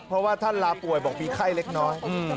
เพราะว่าท่านลาป่วยบอกมีไข้เล็กน้อย